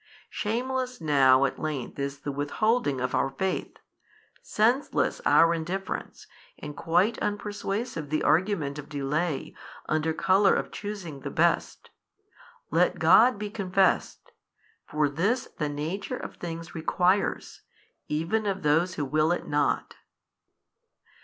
Shameless now at length is the withholding of our faith, senseless our indifference, and quite unpersuasive the argument of delay under colour of choosing the best. Let God be confessed: for this the nature of things requires, even of those who will it not.